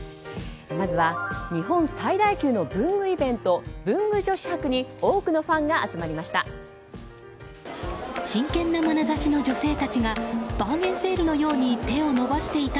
まずは日本最大級の文具イベント文具女子博に多くのファンが集まりました。